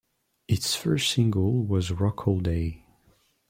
Its first single was "Rock All Day".